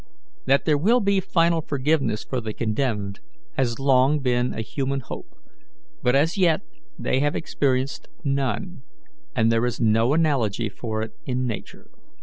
That there will be final forgiveness for the condemned, has long been a human hope; but as yet they have experienced none, and there is no analogy for it in Nature.